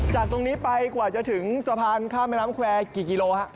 จากตรงนี้ไปกว่าจะถึงสะพานข้ามแม่น้ำแควร์กี่กิโลฮะ